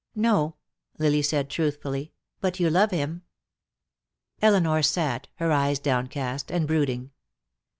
"No," Lily said truthfully; "but you love him." Elinor sat, her eyes downcast and brooding.